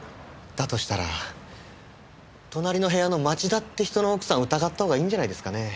だとしたら隣の部屋の町田っていう人の奥さん疑ったほうがいいんじゃないですかね。